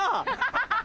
ハハハ！